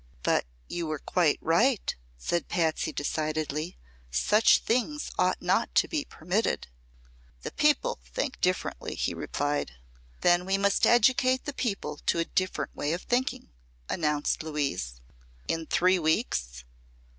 "But you were quite right," said Patsy, decidedly. "Such things ought not to be permitted." "The people think differently," he replied. "Then we must educate the people to a different way of thinking," announced Louise. "In three weeks?"